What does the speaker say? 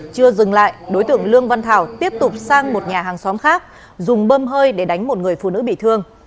chưa dừng lại đối tượng lương văn thảo tiếp tục sang một nhà hàng xóm khác dùng bơm hơi để đánh một người phụ nữ bị thương